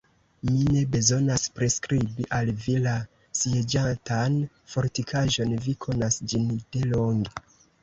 Mi ne bezonas priskribi al vi la sieĝatan fortikaĵon: vi konas ĝin de longe.